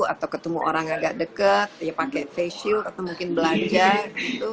atau ketemu orang agak dekat ya pakai facial atau mungkin belanja gitu